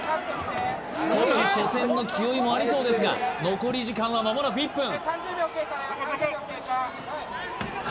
少し初戦の気負いもありそうですが残り時間はまもなく１分・３０秒経過３０秒経過